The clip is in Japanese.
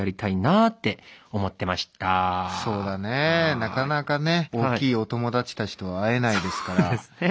なかなかね大きいお友達たちと会えないですから。